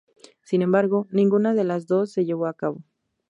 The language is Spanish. Sin embargo, ninguna de las dos se llevó a cabo.